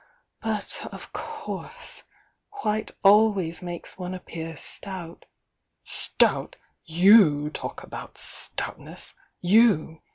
— but of course white always makes one appear stout " "Stout! FoM talk about stoutness? You!